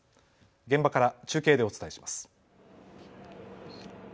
現場から中継でお伝えします。